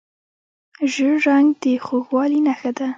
ژیړ رنګ د خوږوالي نښه ده.